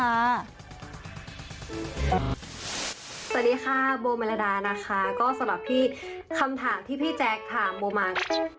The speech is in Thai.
สวัสดีค่ะโบเมรดานะคะก็สำหรับพี่คำถามที่พี่แจ๊คถามโมมัน